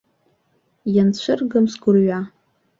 Ианцәыргам сгәырҩа.